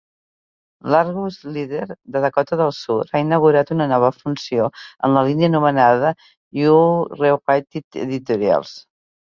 L'Argus Leader, de Dakota del Sud, ha inaugurat una nova funció en línia anomenada "You Re-Write-It Editorials".